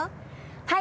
はい。